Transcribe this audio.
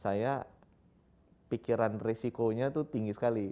saya pikiran risikonya itu tinggi sekali